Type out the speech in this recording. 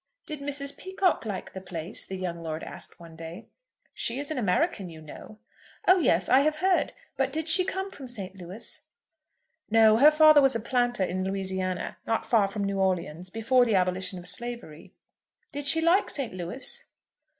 "Did Mrs. Peacocke like the place?" the young lord asked one day. "She is an American, you know." "Oh yes; I have heard. But did she come from St. Louis?" "No; her father was a planter in Louisiana, not far from New Orleans, before the abolition of slavery." "Did she like St. Louis?"